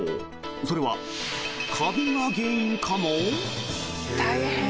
それはカビが原因かも。